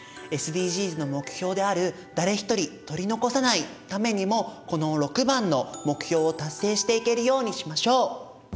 ＳＤＧｓの目標である「誰一人取り残さない」ためにもこの６番の目標を達成していけるようにしましょう！